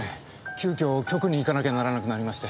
急遽局に行かなきゃならなくなりまして。